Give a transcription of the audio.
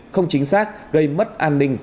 không chính xác gây mất an ninh